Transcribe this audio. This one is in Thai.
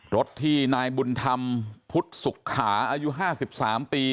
รถที่นายบุญธรรมพุทธสุขาอายุ๕๓ปี